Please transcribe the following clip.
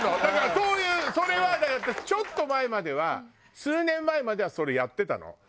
だからそういうそれはだから私ちょっと前までは数年前まではそれやってたの。